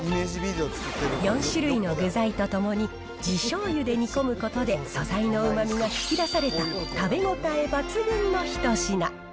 ４種類の具材と共に地しょうゆで煮込むことで素材のうまみが引き出された、食べ応え抜群の一品。